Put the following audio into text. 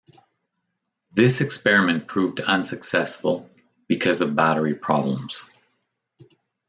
This experiment proved unsuccessful because of battery problems.